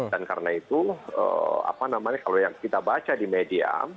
dan karena itu apa namanya kalau yang kita baca di media